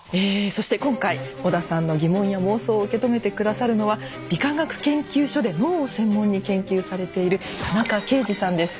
そして今回織田さんの疑問や妄想を受け止めて下さるのは理化学研究所で脳を専門に研究されている田中啓治さんです。